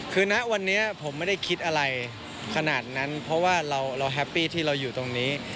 คือณวันนี้ผมไม่ได้คิดอะไรขนาดนั้นเพราะว่าเราแฮปปี้ที่เราอยู่ตรงนี้